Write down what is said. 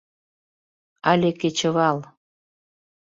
Але «Кечывал.